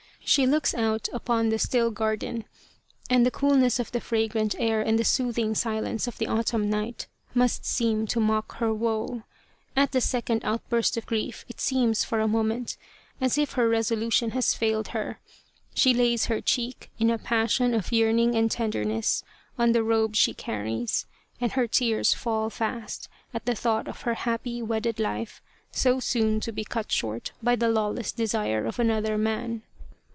She looks out upon the still garden, and the coolness of the fragrant air and the soothing silence of the autumn night must seem to mock her woe. At the second outburst of grief it seems for a moment as if her resolution has failed her. She lays her cheek, in a passion of yearning and tenderness, on the robe she carries, and her tears fall fast at the thought of her happy wedded life, so soon to be cut short by the lawless desire of another man.